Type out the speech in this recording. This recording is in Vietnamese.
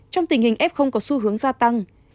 trong tình hình f có xu hướng gia tăng